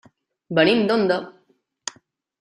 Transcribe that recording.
Venim d'Onda.